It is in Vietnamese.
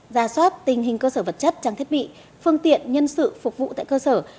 ra soát tình hình cơ sở vật chất trang thiết bị phương tiện nhân sự phục vụ tại cơ sở